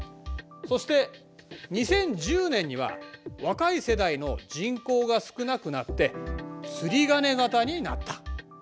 そして２０１０年には若い世代の人口が少なくなって釣り鐘型になった。